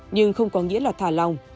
nhưng không có nghĩa là thả lòng